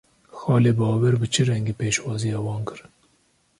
Xalê Bawer bi çi rengî pêşwaziya wan kir?